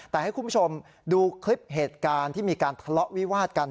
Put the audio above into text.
แต่ให้คุณผู้ชมดูคลิปเหตุการณ์ที่มีการทะเลาะวิวาดกัน